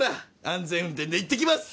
安全運転でいってきます。